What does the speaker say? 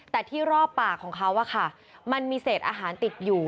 แต่ที่รอบปากของเขามันมีเศษอาหารติดอยู่